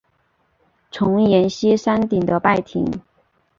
重檐歇山顶的拜亭。